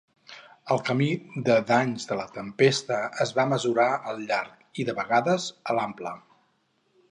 El camí de danys de la tempesta es va mesurar al llarg, i de vegades a l'ample.